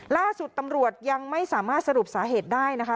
ล่าสุดตำรวจยังไม่สามารถสรุปสาเหตุได้นะคะ